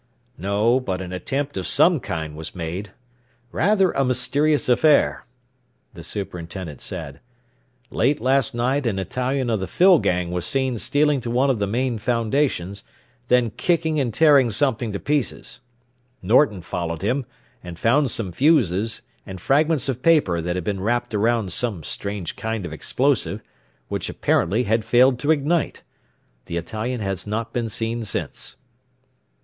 "No, but an attempt of some kind was made. Rather a mysterious affair," the superintendent said. "Late last night an Italian of the fill gang was seen stealing to one of the main foundations, then kicking and tearing something to pieces. Norton followed him, and found some fuses, and fragments of paper that had been wrapped about some strange kind of explosive, which apparently had failed to ignite. The Italian has not been seen since."